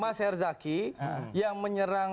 mas herzaki yang menyerang